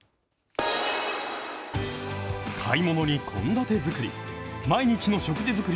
買い物に献立作り。